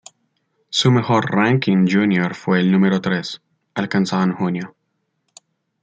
Su mejor "ranking" júnior fue el número tres, alcanzado en junio.